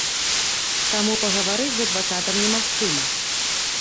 Таму пагаварыць з адвакатам немагчыма.